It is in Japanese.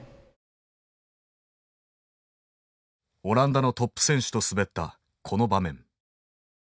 オランダのトップ選手と滑ったこの場面。